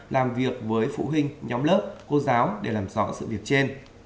làm việc với phụ huynh nhóm lớp cô giáo để làm rõ sự việc trên